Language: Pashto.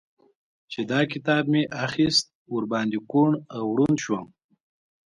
چې دا کتاب مې اخيست؛ ور باندې کوڼ او ړونډ شوم.